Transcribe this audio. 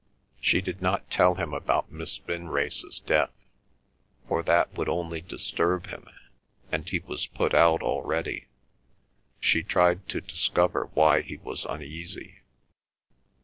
She did not tell him about Miss Vinrace's death, for that would only disturb him, and he was put out already. She tried to discover why he was uneasy.